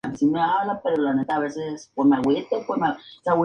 El torneo fue nombrado Sr.